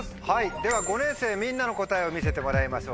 では５年生みんなの答えを見せてもらいましょう。